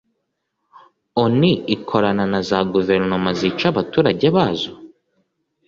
onu ikorana na za guverinoma zica abaturage bazo?